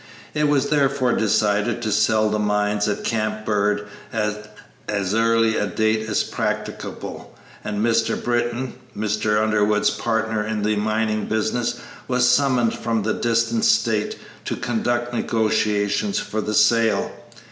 It was therefore decided to sell the mines at Camp Bird at as early a date as practicable, and Mr. Britton, Mr. Underwood's partner in the mining business, was summoned from a distant State to conduct negotiations for the sale.